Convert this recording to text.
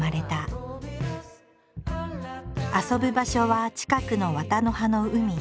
遊ぶ場所は近くの渡波の海。